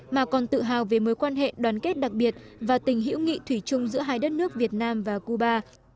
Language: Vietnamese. mà còn tự hào về mối quan hệ đoàn kết đặc biệt và tình hữu nghị thủy chung giữa hai đất nước việt nam và cuba